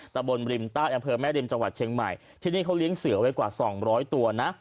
ตะบนริมใต้อำเภอแม่ริมจังหวัดเชียงใหม่ที่นี่เขาเลี้ยงเสือไว้กว่าสองร้อยตัวนะ